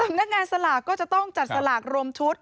สำนักงานสลากก็จะต้องจัดสลากรวมชุด